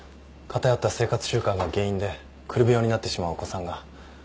偏った生活習慣が原因でくる病になってしまうお子さんが。